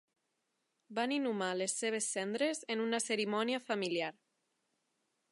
Van inhumar les seves cendres en una cerimònia familiar.